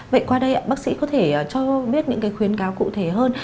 vậy qua đây bác sĩ có thể cho biết những cái khuyến cáo cụ thể hơn